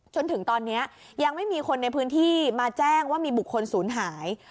จนถึงตอนนี้ยังไม่มีคนในพื้นที่มาแจ้งว่ามีบุคคลศูนย์หาย